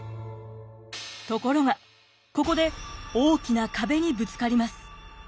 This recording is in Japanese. ところがここで大きな壁にぶつかります。